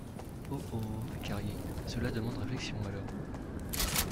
Oh ! oh ! fit Carrier, cela demande réflexion alors.